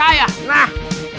diam diam diam